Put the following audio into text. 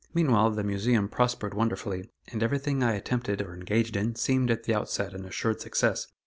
Meanwhile the Museum prospered wonderfully, and everything I attempted or engaged in seemed at the outset an assured success.